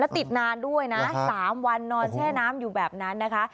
ติดนานด้วยนะ๓วันนอนแช่น้ำอยู่แบบนั้นนะคะ